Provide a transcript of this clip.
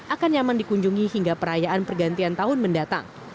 akan nyaman dikunjungi hingga perayaan pergantian tahun mendatang